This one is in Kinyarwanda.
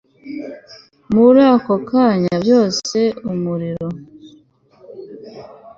muri ako kanya, byose mumuriro